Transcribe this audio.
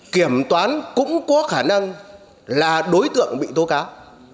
kiểm toán cũng có khả năng là đối tượng bị tố cáo